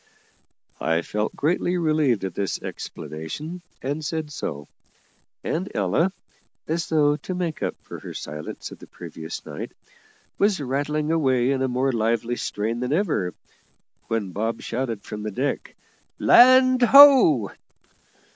I felt greatly relieved at this explanation, and said so; and Ella, as though to make up for her silence of the previous night, was rattling away in a more lively strain than ever, when Bob shouted from the deck, "Land ho!"